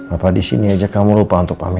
apa di sini aja kamu lupa untuk pamit